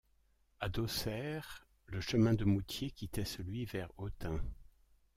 À d'Auxerre le chemin de Moutiers quittait celui vers Autun.